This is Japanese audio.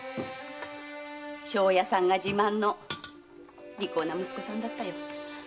庄屋さんが自慢の利口な息子さんだったよ。